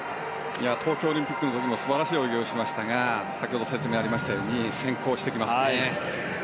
東京オリンピックの時も素晴らしい泳ぎをしましたが先ほど説明がありましたように先行してきますね。